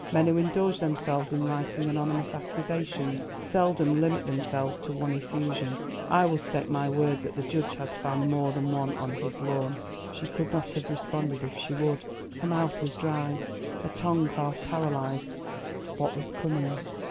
Men who indulge themselves in writing anonymous accusations seldom limit themselves to one effusion. I will stake my word that the judge has found more than one on his lawn." She could not have responded if she would; her mouth was dry, her tongue half paralysed. What was coming?